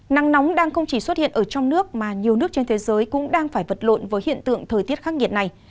nắng nóng đang không chỉ xuất hiện ở trong nước mà nhiều nước trên thế giới cũng đang phải vật lộn với hiện tượng thời tiết khắc nghiệt này